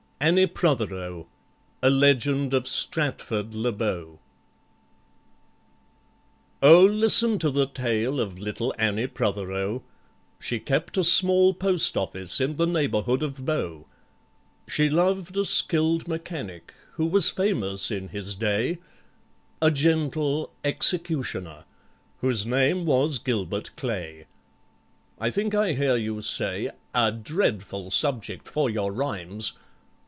ANNIE PROTHEROE A LEGEND OF STRATFORD LE BOW OH! listen to the tale of little ANNIE PROTHEROE. She kept a small post office in the neighbourhood of BOW; She loved a skilled mechanic, who was famous in his day— A gentle executioner whose name was GILBERT CLAY. I think I hear you say, "A dreadful subject for your rhymes!"